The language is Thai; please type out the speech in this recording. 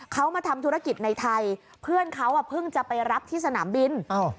เขามาทำธุรกิจในไทยเพื่อนเขาเพิ่งจะไปรับที่สนามบิน